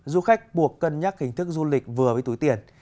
du khách buộc cân nhắc hình thức du lịch vừa với túi tiền